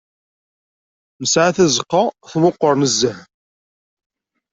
Nesɛa tazeqqa tmeqqer nezzeh.